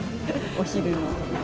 お昼の。